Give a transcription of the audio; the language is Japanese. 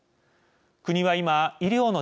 国は今、医療の